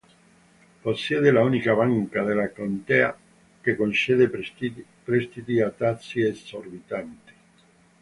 Possiede l'unica banca della contea che concede prestiti a tassi esorbitanti.